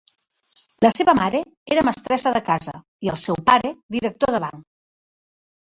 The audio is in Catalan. La seva mare era mestressa de casa i el seu pare director de banc.